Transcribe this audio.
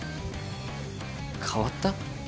変わった？